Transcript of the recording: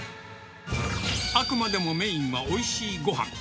あくまでもメインは、おいしいごはん。